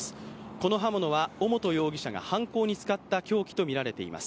この刃物は尾本容疑者が犯行に使った凶器と見られています。